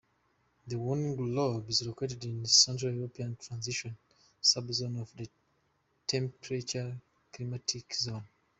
Wernigerode is located in the Central European transition subzone of the temperate climatic zone.